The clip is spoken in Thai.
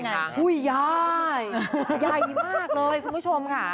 อุ้ยยายใหญ่มากเลยคุณผู้ชมค่ะ